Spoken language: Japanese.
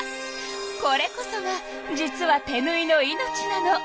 これこそが実は手ぬいの命なの。